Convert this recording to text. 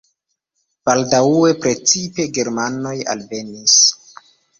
Baldaŭe precipe germanoj alvenis.